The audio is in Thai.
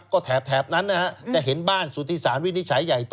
ก็แถบนั้นนะฮะจะเห็นบ้านสุธิสารวินิจฉัยใหญ่โต